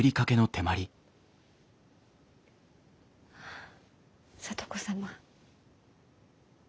あ聡子様。